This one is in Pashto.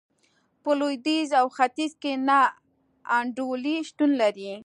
په لوېدیځ او ختیځ کې نا انډولي شتون لري.